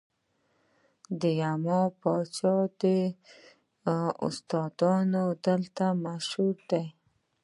د یما پاچا داستانونه دلته مشهور دي